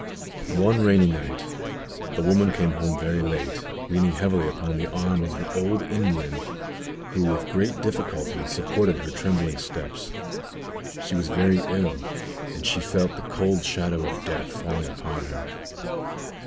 One rainy night the woman came home very late, leaning heavily upon the arm of an old Indian, who with great difficulty supported her trembling steps. She was very ill, and she felt the cold shadow of death falling upon her.